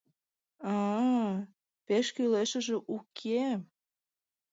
— А-а, пеш кӱлешыже уке...